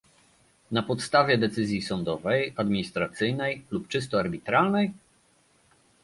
Na podstawie decyzji sądowej, administracyjnej lub czysto arbitralnej?